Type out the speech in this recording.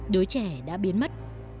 đứa trẻ đã biến mất